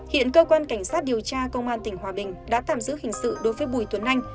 hiện cơ quan cảnh sát điều tra công an tỉnh hòa bình đã tạm giữ hình sự đối với bùi tuấn anh